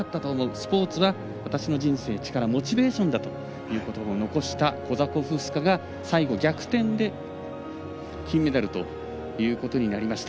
スポーツは私の人生、力モチベーションだということばを残したコザコフスカが最後、逆転で金メダルということになりました。